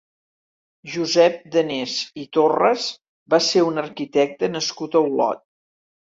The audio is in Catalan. Josep Danés i Torras va ser un arquitecte nascut a Olot.